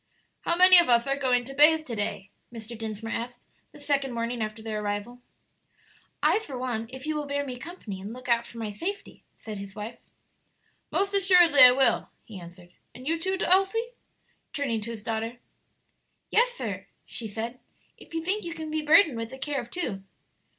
"How many of us are going to bathe to day?" Mr. Dinsmore asked, the second morning after their arrival. "I for one, if you will bear me company and look out for my safety," said his wife. "Most assuredly I will," he answered. "And you too, Elsie?" turning to his daughter. "Yes, sir," she said, "if you think you can be burdened with the care of two."